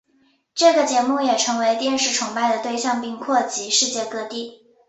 这个节目也成为电视崇拜的对象并扩及世界各地。